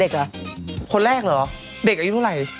คนแรกเหรอเด็กอายุเท่าไหร่